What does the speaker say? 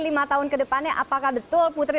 lima tahun ke depannya apakah betul putri